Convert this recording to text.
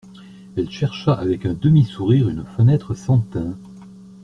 Elle chercha avec un demi-sourire une fenêtre sans tain.